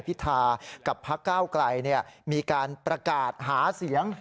พิธากับพักเก้าไกลมีการประกาศหาเสียง